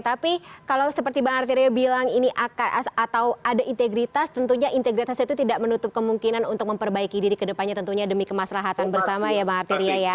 tapi kalau seperti bang artirio bilang ini atau ada integritas tentunya integritas itu tidak menutup kemungkinan untuk memperbaiki diri ke depannya tentunya demi kemaslahatan bersama ya bang artiria ya